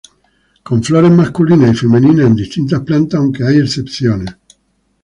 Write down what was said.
Con flores masculinas y femeninas en distintas plantas, aunque hay excepciones.